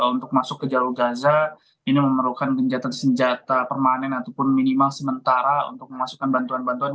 untuk masuk ke jalur gaza ini memerlukan genjatan senjata permanen ataupun minimal sementara untuk memasukkan bantuan bantuan